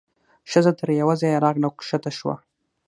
ښځه تر یوه ځایه راغله او کښته شوه.